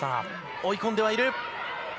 追い込んではいる。